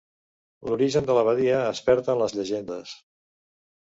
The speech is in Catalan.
L'origen de l'abadia es perd en les llegendes.